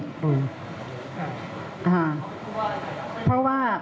คุณแม่ร้องเพลง